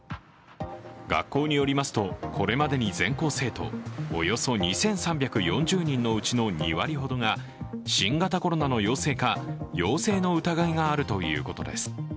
学校によりますと、これまでに全校生徒およそ２３４０人のうちの２割ほどが新型コロナの陽性か陽性の疑いがあるということです。